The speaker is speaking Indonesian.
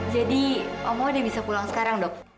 jadi oma udah bisa pulang sekarang dok